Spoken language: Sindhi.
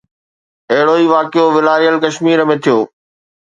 اهڙو ئي واقعو والاريل ڪشمير ۾ ٿيو.